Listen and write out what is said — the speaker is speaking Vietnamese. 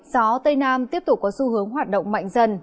gió tây nam tiếp tục có xu hướng hoạt động mạnh dần